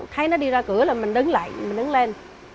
thấy nó đi ra cửa là mình đứng lại mình đứng lên